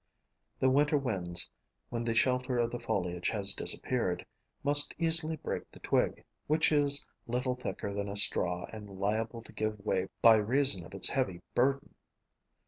The winter winds, when the shelter of the foliage has disappeared, must easily break the twig, which is little thicker than a straw and liable to give way by reason of its heavy burden.